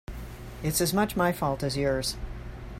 It's as much my fault as yours.